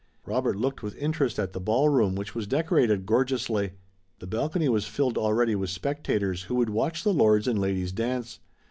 Robert looked with interest at the ballroom which was decorated gorgeously. The balcony was filled already with spectators who would watch the lords and ladies dance.